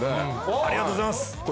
ありがとうございます。